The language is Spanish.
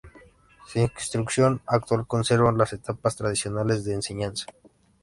Su instrucción actual conserva las etapas tradicionales de enseñanza.